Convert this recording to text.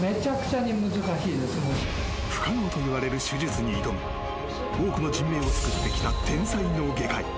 不可能といわれる手術に挑む多くの人命を救ってきた天才脳外科医。